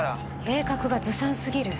計画がずさんすぎる。